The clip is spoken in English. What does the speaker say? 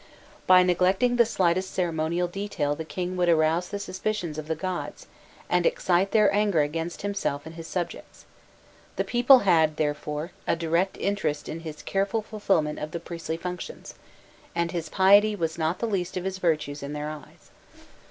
By neglecting the slightest ceremonial detail the king would arouse the suspicions of the gods, and excite their anger against himself and his subjects: the people had, therefore, a direct interest in his careful fulfilment of the priestly functions, and his piety was not the least of his virtues in their eyes.